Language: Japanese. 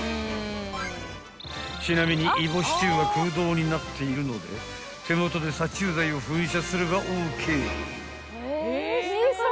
［ちなみにイボ支柱は空洞になっているので手元で殺虫剤を噴射すればＯＫ］